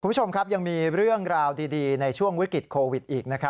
คุณผู้ชมครับยังมีเรื่องราวดีในช่วงวิกฤตโควิดอีกนะครับ